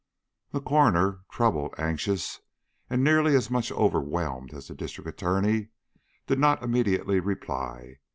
The coroner, troubled, anxious, and nearly as much overwhelmed as the District Attorney, did not immediately reply.